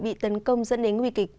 bị tấn công dẫn đến nguy kịch